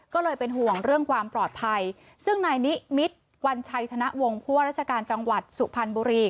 ก็เลยเป็นห่วงเรื่องความปลอดภัยซึ่งนายนิมิตรวัญชัยธนวงศ์ผู้ว่าราชการจังหวัดสุพรรณบุรี